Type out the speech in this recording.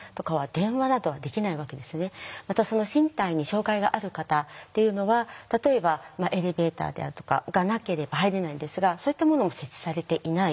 また身体に障害がある方っていうのは例えばエレベーターであるとかがなければ入れないんですがそういったものも設置されていない。